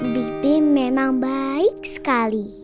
bibi memang baik sekali